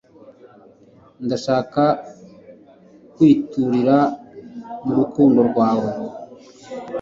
ndashaka kwiturira mu rukundo rwawe